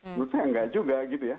menurut saya enggak juga gitu ya